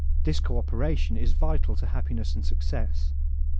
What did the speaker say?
This co operation is vital to happiness and success.